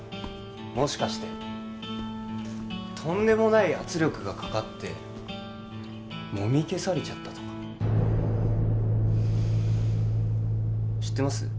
もしかしてとんでもない圧力がかかってもみ消されちゃったとか知ってます？